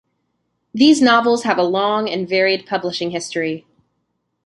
These novels have a long and varied publishing history.